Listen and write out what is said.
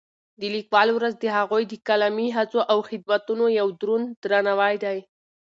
د لیکوالو ورځ د هغوی د قلمي هڅو او خدمتونو یو دروند درناوی دی.